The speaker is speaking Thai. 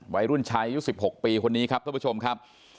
วัยรุ่นชายอายุ๑๖ปีคนนี้ครับท่านผู้ชมครับ